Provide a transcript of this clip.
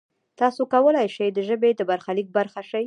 تاسو کولای شئ د ژبې د برخلیک برخه شئ.